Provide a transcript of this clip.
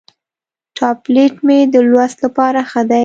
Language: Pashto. ټابلیټ مې د لوست لپاره ښه دی.